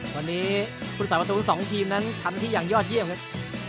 วันนี้พลุศบัตรุสองทีมนั้นทำที่อย่างยอดเยี่ยมครับ